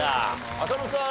浅野さん